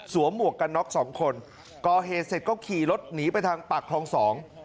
หมวกกันน็อกสองคนก่อเหตุเสร็จก็ขี่รถหนีไปทางปากคลองสอง